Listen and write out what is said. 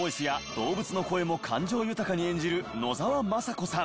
動物の声も感情豊かに演じる野沢雅子さん。